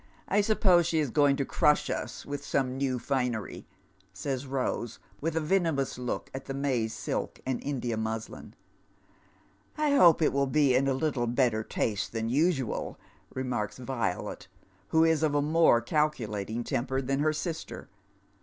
I suppose she is going to crush us with some new finery," says Eose, %vith a venomous look at the maize silk and India muslin. " I hope it will be in a little better taste than usual," remarks Violet, who is of a more calculating temper than her sister.